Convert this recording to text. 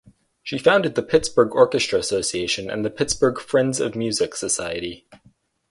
She founded the Pittsburgh Orchestra Association and the Pittsburgh Friends of Music Society.